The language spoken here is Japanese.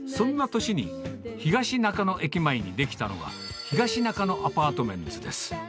そんな年に、東中野駅前に出来たのは、東中野アパートメンツです。